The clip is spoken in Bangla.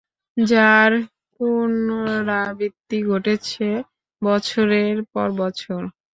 যার পুনরাবৃত্তি ঘটেছে বছরের পর বছর।